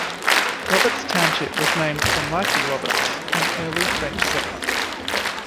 Roberts Township was named for Michel Roberts, an early French settler.